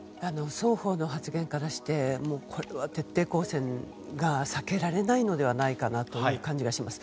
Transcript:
双方の発言からしてこれは徹底抗戦が避けられないのではないかなという感じがします。